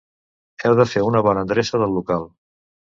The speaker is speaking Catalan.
Heu de fer una bona endreça del local.